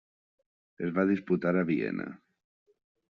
Es va disputar a Viena.